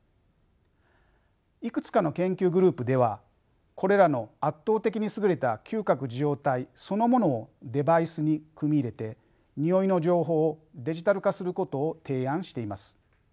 いくつかの研究グループではこれらの圧倒的に優れた嗅覚受容体そのものをデバイスに組み入れてにおいの情報をデジタル化することを提案しています。